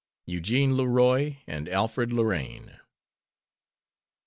EUGENE LEROY AND ALFRED LORRAINE.